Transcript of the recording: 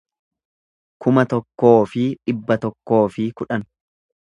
kuma tokkoo fi dhibba tokkoo fi kudhan